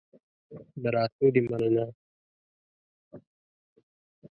د راتلو دي مننه